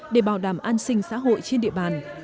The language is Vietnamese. để bảo đảm an sinh xã hội trên địa bàn